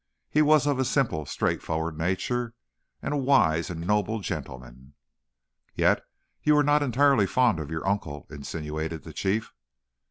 He was of a simple, straightforward nature, and a wise and noble gentleman." "Yet you were not entirely fond of your uncle," insinuated the Chief.